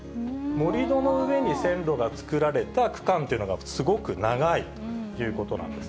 盛り土の上に線路が作られた区間というのがすごく長いということなんです。